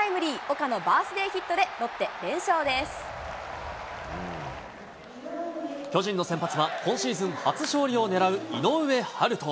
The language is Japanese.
岡のバースデーヒットでロッテ、巨人の先発は、今シーズン初勝利を狙う井上温大。